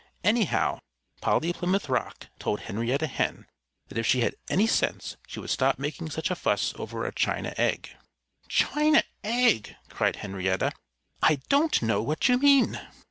Anyhow, Polly Plymouth Rock told Henrietta Hen that if she had any sense she would stop making such a fuss over a china egg. "China egg!" cried Henrietta. "I don't know what you mean."